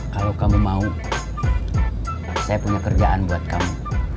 kalau kamu mau saya punya kerjaan buat kamu